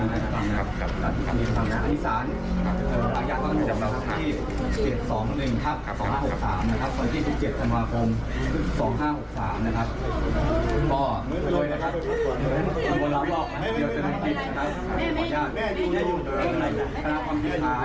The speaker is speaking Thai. อันนี้มันอยู่ในคณะความผิดอ่านถูกรู้ในที่หาสถาน